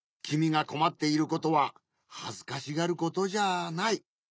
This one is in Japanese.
きみがこまっていることははずかしがることじゃない。